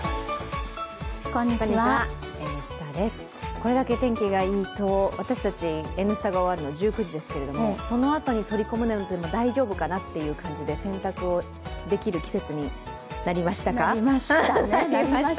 これだけ天気がいいと私たち、「Ｎスタ」が終わるの、１９時ですけど、そのあとに取り込んでも大丈夫かなって感じで洗濯をできる季節になりましたか？